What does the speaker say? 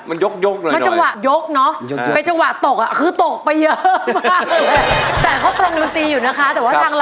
มันยกน้อยน้อยมันจังหวะยกเนอะมันยกเข้าชิ้น